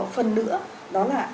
phần nữa đó là